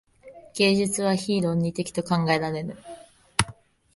芸術は非論理的と考えられる。